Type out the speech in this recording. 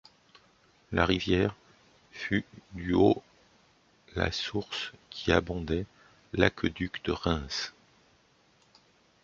La rivière fut du au la source qui abondait l'aqueduc de Reims.